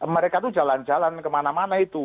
mereka itu jalan jalan kemana mana itu